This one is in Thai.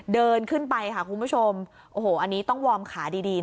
เดินขึ้นไปคุณผู้ชมอันนี้ต้องวอร์มขาดีนะ